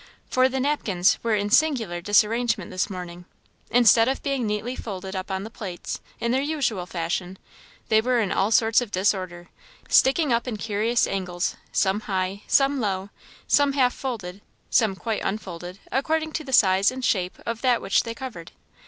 For the napkins were in singular disarrangement this morning; instead of being neatly folded up on the plates, in their usual fashion, they were in all sorts of disorder sticking up in curious angles, some high, some low, some half folded, some quite unfolded, according to the size and shape of that which they covered.